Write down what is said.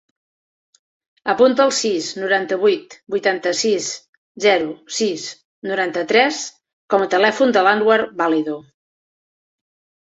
Apunta el sis, noranta-vuit, vuitanta-sis, zero, sis, noranta-tres com a telèfon de l'Anwar Valido.